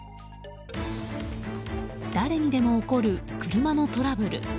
誰にでも起こる車のトラブル。